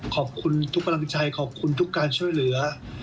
ขอบคุณทุกกำลังใจขอบคุณทุกการช่วยเหลือ